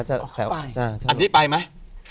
อันนี้ไปไหม